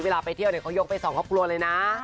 เวลาไปเที่ยวเขายกไปสองครอบครัวเลยนะ